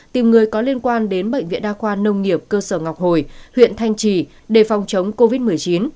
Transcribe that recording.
tìm người có liên quan đến bệnh viện đa khoa nông nghiệp cơ sở ngọc hồi huyện thanh trì để phòng chống covid một mươi chín